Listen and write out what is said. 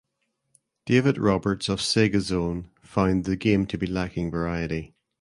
David Roberts of "Sega Zone" found the game to be lacking variety.